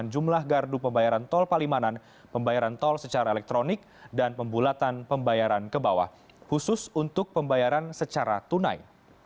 jalan idul fitri